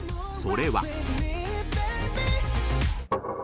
それは］